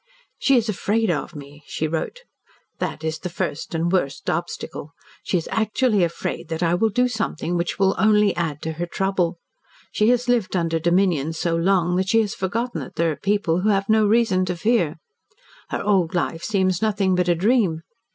"She is afraid of me," she wrote. "That is the first and worst obstacle. She is actually afraid that I will do something which will only add to her trouble. She has lived under dominion so long that she has forgotten that there are people who have no reason for fear. Her old life seems nothing but a dream.